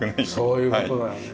そういう事だよね。